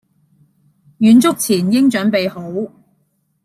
遠足前應準備好